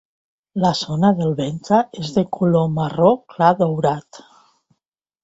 La zona del ventre és de color marró clar daurat.